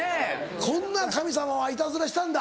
こんな神様はいたずらしたんだ。